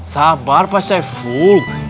sabar pak saiful